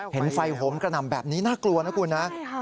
เห็นไฟโหมกระหน่ำแบบนี้น่ากลัวนะคุณนะ